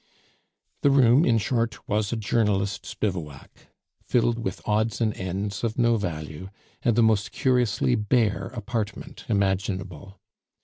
The room, in short, was a journalist's bivouac, filled with odds and ends of no value, and the most curiously bare apartment imaginable.